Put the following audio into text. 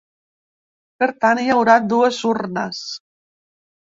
Per tant, hi haurà dues urnes.